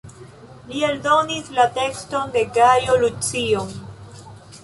Li eldonis la tekston de Gajo Lucilio-n.